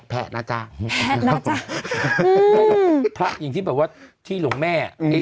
แผ่นาจ้าแผ่นาจ้าอืมพระอย่างที่บอกว่าที่หลวงแม่อ่ะ